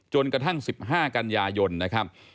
จนกระทั่ง๑๕กันยายนนะครับ